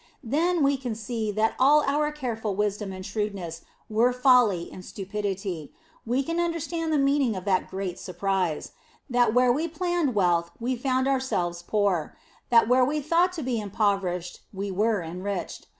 Then we can see that all our careful wisdom and shrewdness were folly and stupidity; and we can understand the meaning of that Great Surprise that where we planned wealth we found ourselves poor; that where we thought to be impoverished we were enriched.